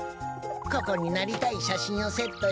ここになりたいしゃしんをセットして。